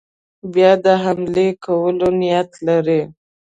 بیا د حملې کولو نیت لري.